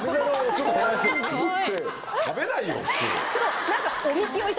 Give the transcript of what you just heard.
食べないよ普通。